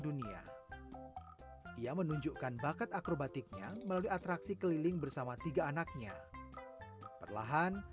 dunia ia menunjukkan bakat akrobatiknya melalui atraksi keliling bersama tiga anaknya perlahan